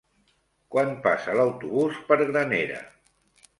Quan passa l'autobús per Granera?